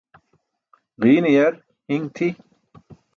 Ġiine yar hiṅ tʰi.